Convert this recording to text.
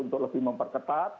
untuk lebih memperketat